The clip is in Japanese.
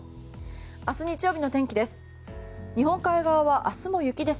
明日日曜日の天気です。